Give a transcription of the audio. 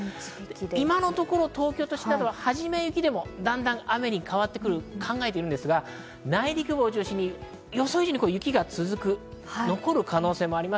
今のところ東京都心などは、はじめ雪でも、だんだん雨に変わってくると考えているんですが、内陸部を中心に予想以上に雪が続く、残る可能性もあります。